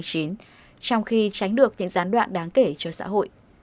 trong khi tránh được những gián đoạn đáng kể cho xã hội